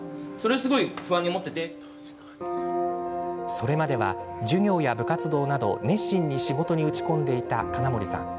それまでは、授業や部活動など熱心に仕事に打ち込んでいた金森さん。